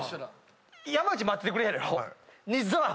山内待っててくれはるやろ？